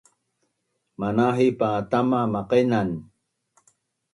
Manahip pa tama maqainan